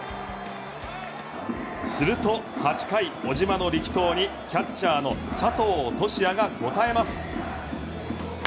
すると８回小島の力投にキャッチャーの佐藤都志也が応えます。